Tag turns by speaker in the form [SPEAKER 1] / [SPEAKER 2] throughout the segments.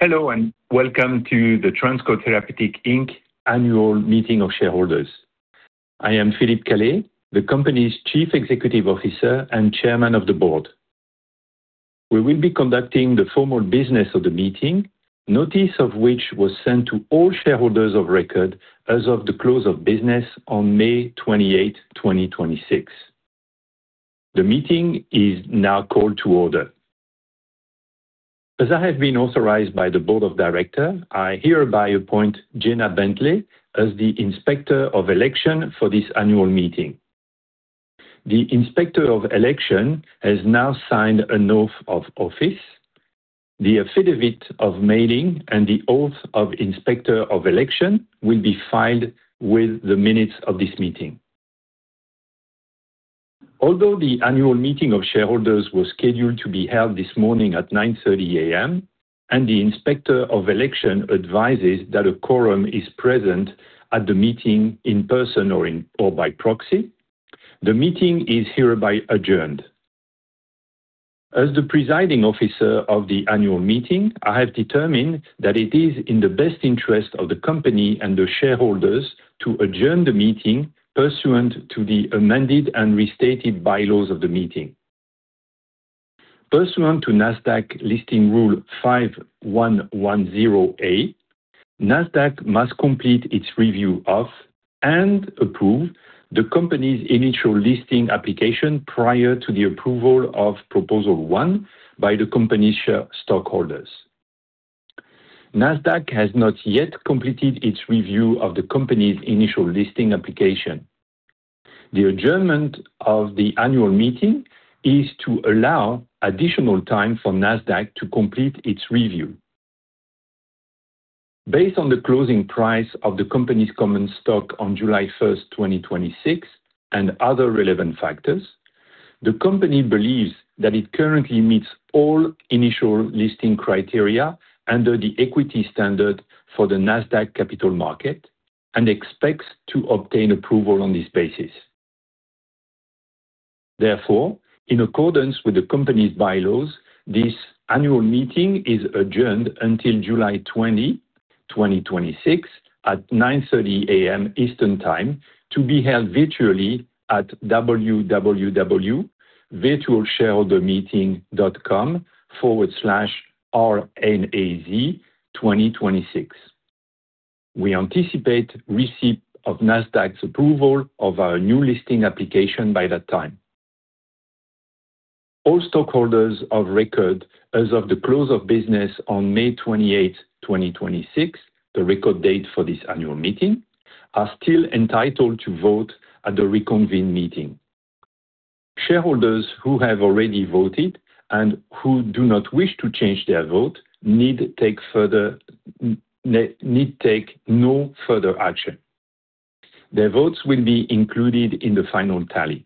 [SPEAKER 1] Hello, welcome to the TransCode Therapeutics, Inc. annual meeting of shareholders. I am Philippe Calais, the company's Chief Executive Officer and Chairman of the Board. We will be conducting the formal business of the meeting, notice of which was sent to all shareholders of record as of the close of business on May 28th, 2026. The meeting is now called to order. As I have been authorized by the Board of Directors, I hereby appoint Jenna Bentley as the Inspector of Election for this annual meeting. The Inspector of Election has now signed an oath of office. The affidavit of mailing and the oath of Inspector of Election will be filed with the minutes of this meeting. Although the annual meeting of shareholders was scheduled to be held this morning at 9:30 A.M., the Inspector of Election advises that a quorum is present at the meeting in person or by proxy, the meeting is hereby adjourned. As the presiding officer of the annual meeting, I have determined that it is in the best interest of the company and the shareholders to adjourn the meeting pursuant to the amended and restated bylaws of the meeting. Pursuant to Nasdaq Listing Rule 5110, Nasdaq must complete its review of and approve the company's initial listing application prior to the approval of Proposal 1 by the company stockholders. Nasdaq has not yet completed its review of the company's initial listing application. The adjournment of the annual meeting is to allow additional time for Nasdaq to complete its review. Based on the closing price of the company's common stock on July 1st, 2026, and other relevant factors, the company believes that it currently meets all initial listing criteria under the equity standard for the Nasdaq Capital Market and expects to obtain approval on this basis. Therefore, in accordance with the company's bylaws, this annual meeting is adjourned until July 20, 2026, at 9:30 A.M. Eastern Time, to be held virtually at www.virtualshareholdermeeting.com/rnaz2026. We anticipate receipt of Nasdaq's approval of our new listing application by that time. All stockholders of record as of the close of business on May 28th, 2026, the record date for this annual meeting, are still entitled to vote at the reconvened meeting. Shareholders who have already voted and who do not wish to change their vote need take no further action. Their votes will be included in the final tally.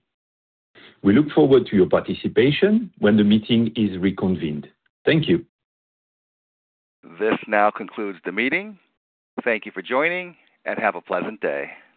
[SPEAKER 1] We look forward to your participation when the meeting is reconvened. Thank you.
[SPEAKER 2] This now concludes the meeting. Thank you for joining, and have a pleasant day.